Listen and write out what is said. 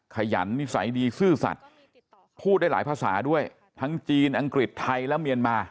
ขยันนิสัยดีซื่อสัตว์พูดได้หลายภาษาด้วยทั้งจีนอังกฤษไทยและเมียนมา